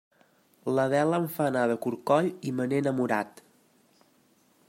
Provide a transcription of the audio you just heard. L'Adela em fa anar de corcoll i me n'he enamorat.